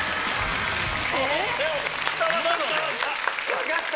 分かった！